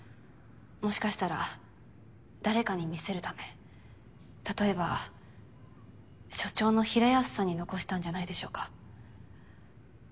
もしかしたら誰かに見せるためたとえば所長の平安さんに遺したんじゃないでしょうか。